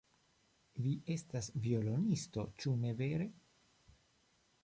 Vi estas violonisto, ĉu ne vere?